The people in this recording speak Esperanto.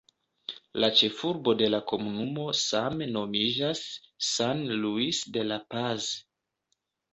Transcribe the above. La ĉefurbo de la komunumo same nomiĝas "San Luis de la Paz".